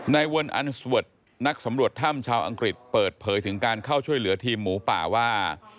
วนอันสวัสดิ์นักสำรวจถ้ำชาวอังกฤษเปิดเผยถึงการเข้าช่วยเหลือทีมหมูป่าว่า